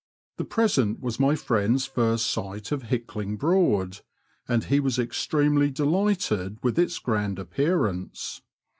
The present was my Mend's first sight of Hickling Broad, and he was extremely delighted with its grand appearance.